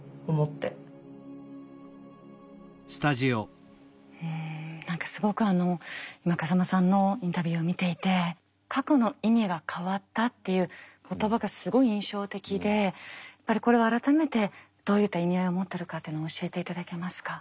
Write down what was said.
だから何か何かすごく今風間さんのインタビューを見ていて過去の意味が変わったっていう言葉がすごい印象的でこれは改めてどういった意味合いを持ってるかっていうのを教えて頂けますか。